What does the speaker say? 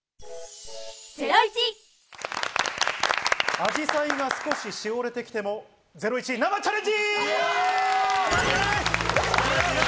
あじさいが少ししおれてきてもゼロイチ生チャレンジ！